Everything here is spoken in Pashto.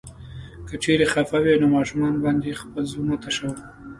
که چيرې خفه وې نو ماشومانو باندې خپل زړه مه تشوه.